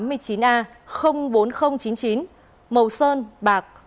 màu sơn bạc